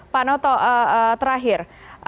pak noto terakhir